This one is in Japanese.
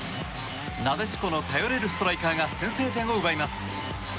なでしこの頼れるストライカーが先制点を奪います。